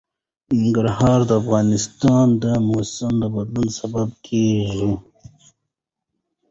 ننګرهار د افغانستان د موسم د بدلون سبب کېږي.